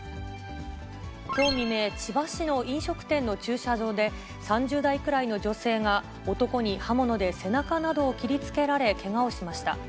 きょう未明、千葉市の飲食店の駐車場で、３０代くらいの女性が、男に刃物で背中などを切りつけられ、けがをしました。